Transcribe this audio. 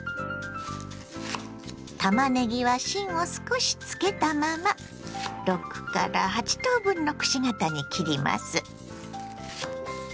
たまねぎは芯を少しつけたまま６８等分のくし形に切ります。